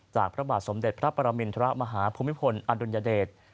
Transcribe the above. พระบาทสมเด็จพระปรมินทรมาฮภูมิพลอดุลยเดช